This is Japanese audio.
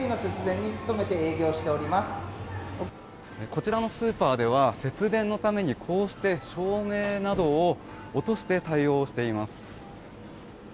こちらのスーパーでは節電のために照明などを落として対応しています。